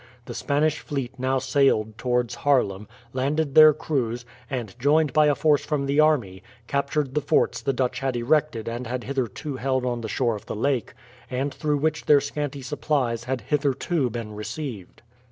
The Spanish fleet now sailed towards Haarlem, landed their crews, and joined by a force from the army, captured the forts the Dutch had erected and had hitherto held on the shore of the lake, and through which their scanty supplies had hitherto been received.